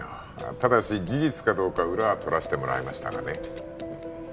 ただし事実かどうか裏は取らせてもらいましたがね